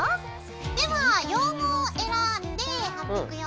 では羊毛を選んで貼っていくよ。